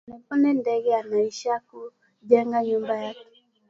Polepole ndege anaishaka ku jenga nyumba yake